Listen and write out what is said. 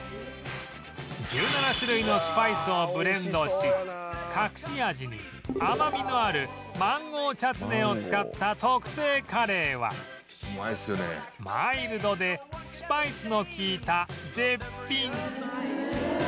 １７種類のスパイスをブレンドし隠し味に甘みのあるマンゴーチャツネを使った特製カレーはマイルドでスパイスの利いた絶品